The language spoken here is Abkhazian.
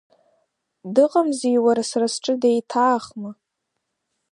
Дыҟамзи, уара, сара сҿы, деиҭаахма?